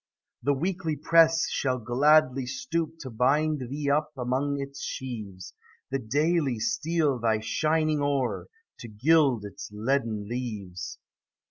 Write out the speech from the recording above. The Weekly press shall gladly stoop To bind thee up among its sheaves; The Daily steal thy shining ore, To gild its leaden leaves.